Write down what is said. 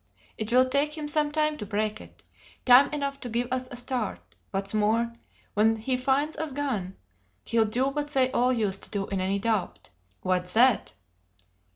It will take him some time to break in; time enough to give us a start; what's more, when he finds us gone, he'll do what they all used to do in any doubt." "What's that?"